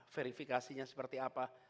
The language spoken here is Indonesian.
verifikasinya seperti apa